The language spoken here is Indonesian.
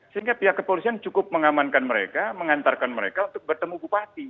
sehingga pihak kepolisian cukup mengamankan mereka mengantarkan mereka untuk bertemu bupati